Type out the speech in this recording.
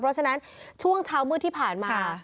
เพราะฉะนั้นช่วงเช้ามืดที่ผ่านมา